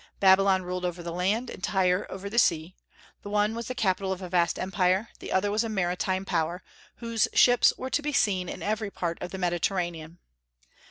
Babylon ruled over the land, and Tyre over the sea; the one was the capital of a vast empire, the other was a maritime power, whose ships were to be seen in every part of the Mediterranean.